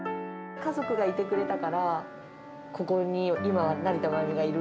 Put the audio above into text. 家族がいてくれたから、ここに今、成田真由美がいる。